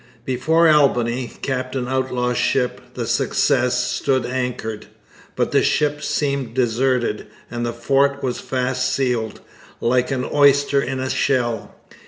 Before Albany, Captain Outlaw's ship, the Success, stood anchored; but the ship seemed deserted, and the fort was fast sealed, like an oyster in a shell.